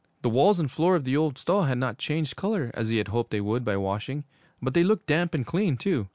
The walls and floor of the old stall had not changed color, as he had hoped they would by washing, but they looked damp, and clean, too.